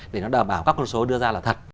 để nó đảm bảo các con số đưa ra là thật